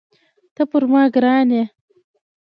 ته پر ما ګران یې